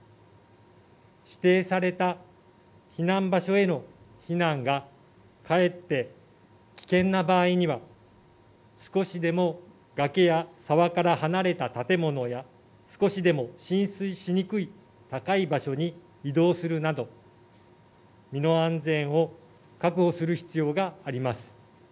指定された避難場所への避難がかえって危険な場合には、少しでも崖や沢から離れた建物や、少しでも浸水しにくい高い場所に移動するなど、身の安全を確保をする必要があります。